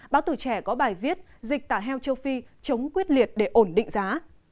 báo tuổi trẻ có bài viết dịch tả heo châu phi chống quyết liệt để ổn định giá